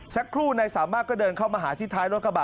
สักครู่นายสามารถก็เดินเข้ามาหาที่ท้ายรถกระบะ